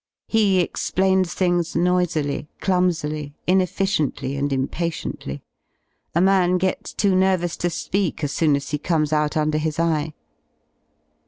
He explains things noisily, clumsily, inefficiently and impatiently. A man gets too nervous to speak as soon as he comes out under his eye.